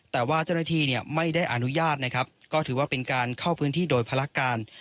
แต่ว่าเจ้าหน้าที่ไม่ได้อนุญาตนะครับก็ถือว่าเป็นการเข้าพื้นที่โดยภารการ